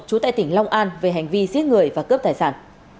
trú tại tỉnh long an về hành vi giết người và cướp tài sản